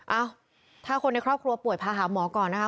เอ้าถ้าคนในครอบครัวป่วยพาหาหมอก่อนนะคะ